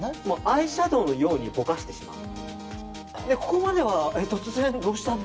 アイシャドーのようにぼかしてしまう。